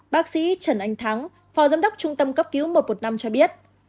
bác sĩ trần anh thắng phó giám đốc trung tâm cấp cứu một trăm một mươi năm cho biết